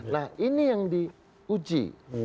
nah ini yang diuji